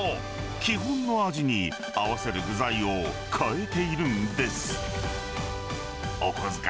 基本の味に合わせる具材を変えているんです。